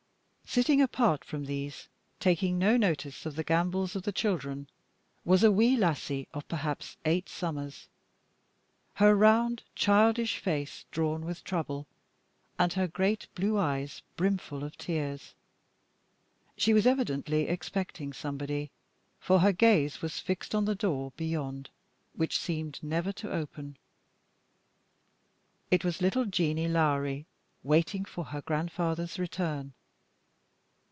Sitting apart from these, taking no notice of the gambols of the children, was a wee lassie of perhaps eight summers, her round, childish face drawn with trouble, and her great blue eyes brimful of tears. She was evidently expecting somebody, for her gaze was fixed on the door beyond, which seemed never to open. It was little Jeanie Lowrie waiting for her grandfather's return.